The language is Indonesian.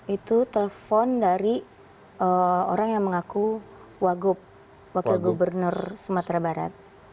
itu telepon dari orang yang mengaku wagub wakil gubernur sumatera barat